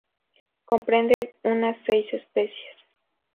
Comprende unas seis especies.